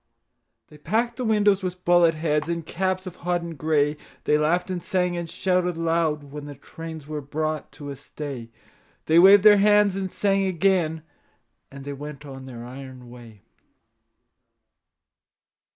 They packed the windows with bullet heads And caps of hodden gray; They laughed and sang and shouted loud When the trains were brought to a stay; They waved their hands and sang again As they went on their iron way.